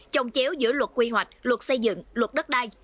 trồng chéo giữa luật quy hoạch luật xây dựng luật đất đai